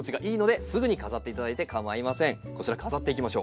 こちら飾っていきましょう。